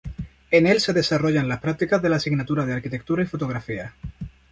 En el se desarrollan las prácticas de la asignatura de Arquitectura y Fotografía.